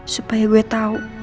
supaya gue tau